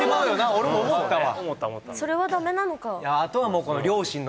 俺も思ったわ